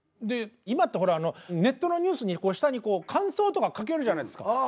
で今ってほらネットのニュースに下にこう感想とか書けるじゃないですか。